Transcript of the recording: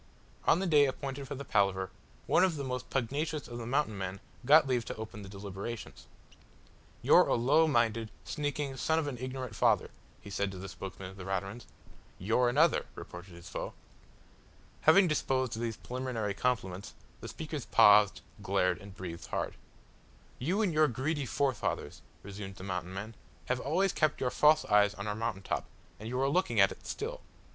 On the day appointed for the palaver, one of the most pugnacious of the Mountain men got leave to open the deliberations. "You're a low minded, sneaking son of an ignorant father," he said to the spokesman of the Raturans. "You're another," retorted his foe. Having disposed of these preliminary compliments, the speakers paused, glared, and breathed hard. Of course we give the nearest equivalent in English that we can find for the vernacular used. "You and your greedy forefathers," resumed the Mountain man, "have always kept your false eyes on our mountain top, and you are looking at it still."